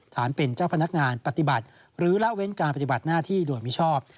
ฐานเป็นเจ้าพนักงานปฏิบัติหรือละเว้นการปฏิบัติหน้าที่โดยมิชอบ